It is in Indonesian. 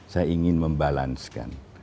saya ingin membalansikan